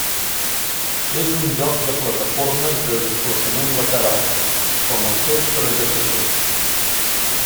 És un joc de plataformes de desplaçament lateral, com els seus predecessors.